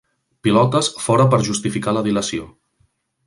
Pilotes fora per justificar la dilació.